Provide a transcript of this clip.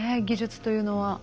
技術というのは。